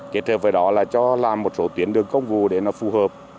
kết hợp với đó là cho làm một số tuyến đường công vụ để nó phù hợp